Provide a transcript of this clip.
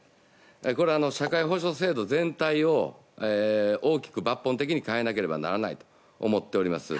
これは、社会保障制度全体を大きく抜本的に変えなければならないと思っています。